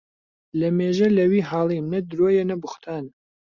لە مێژە لە وی حاڵیم نە درۆیە نە بوختانە